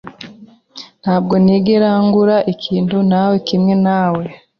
Ntabwo nigera ngura ikintu nawe kimwe nawe .